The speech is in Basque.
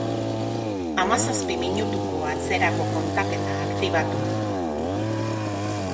Hamazazpi minutuko atzerako kontaketa aktibatu.